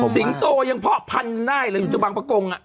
สิงโตยังพอพันได้เลยอยู่ที่บางประกงอะ